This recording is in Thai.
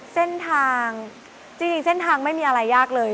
เส้นทางจริงเส้นทางไม่มีอะไรยากเลย